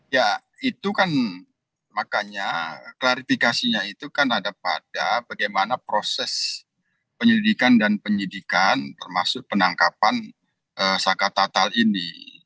ya itu kan makanya klarifikasinya itu kan ada pada bagaimana proses penyelidikan dan penyidikan termasuk penangkapan saka tatal ini